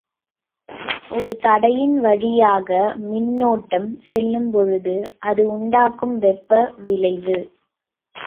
ஒரு தடையின் வழியாக மின்னோட்டம் செல்லும் போது, அது உண்டாக்கும் வெப்ப விளைவு.